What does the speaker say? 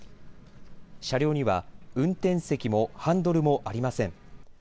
車両には運転席もハンドルもありません。